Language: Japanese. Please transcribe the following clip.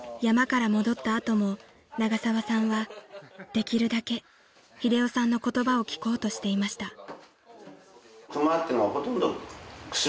［山から戻った後も永沢さんはできるだけ英雄さんの言葉を聞こうとしていました］